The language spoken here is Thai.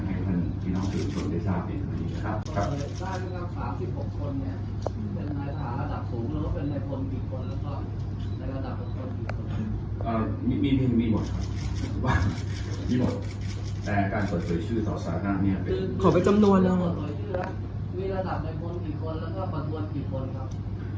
ว่าที่แจงให้ท่านพี่นอกทรอยม